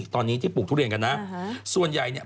ตอนนี้ที่ปลูกทุเรียนกันนะส่วนใหญ่เนี่ย